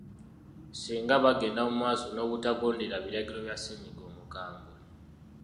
Singa bagenda mu maaso n’obutagondera biragiro bya ssennyiga omukambwe.